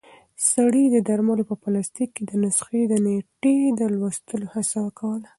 سړی د درملو په پلاستیک کې د نسخې د نیټې د لوستلو هڅه کوله.